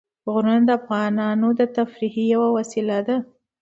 غرونه د افغانانو د تفریح یوه وسیله ده.